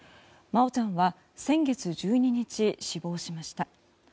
真愛ちゃんは先月１２日、死亡しました。